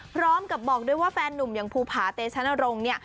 พร้อมกับบอกด้วยว่าแฟนนุ่มอย่างภูผาเตชนรงค์เนี่ย